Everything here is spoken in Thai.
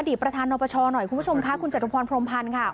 อดีตประธานนบชหน่อยคุณผู้ชมค่ะ